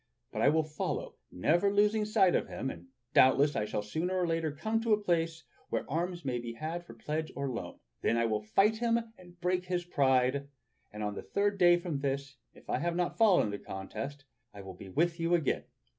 But I will follow, never losing sight of him, and doubtless I shall sooner or later come to a place where arms may be had for pledge or loan. Then I will fight him and break his pride, and on the third day from this, if I have not fallen in the contest, I will be with you again.